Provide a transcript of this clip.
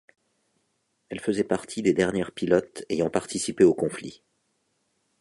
Elle faisait partie des dernières pilotes ayant participé au conflit.